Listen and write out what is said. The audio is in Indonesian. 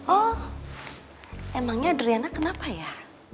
oh emangnya driana kenapa ya